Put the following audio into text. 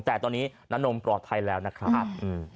แต่ตอนนี้น้านมปลอดภัยแล้วนะครับ